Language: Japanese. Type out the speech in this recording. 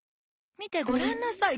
みてごらんなさい